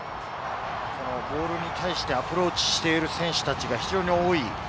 ボールに対してアプローチしている選手たちが非常に多い。